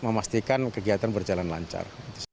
memastikan kegiatan berjalan lancar